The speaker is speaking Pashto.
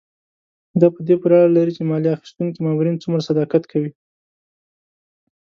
دا په دې پورې اړه لري چې مالیه اخیستونکي مامورین څومره صداقت کوي.